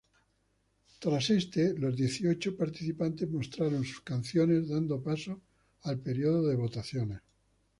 Tras este, los dieciocho participantes mostraron sus canciones, dando paso al periodo de votaciones.